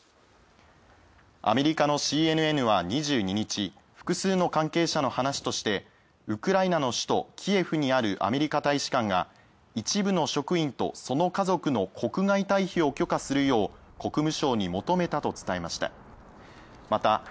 アメリカのＣＮＮは２２日、複数の関係者の話としてウクライナの首都キエフにあるアメリカ大使館が一部の職員とその家族の国外退避を許可するよう国務省に求めたと伝えました。